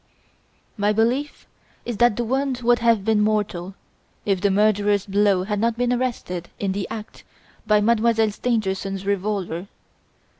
"My belief is that the wound would have been mortal, if the murderer's blow had not been arrested in the act by Mademoiselle Stangerson's revolver.